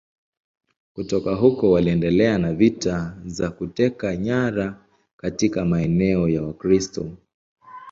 Kutoka huko waliendelea na vita za kuteka nyara katika maeneo ya Wakristo.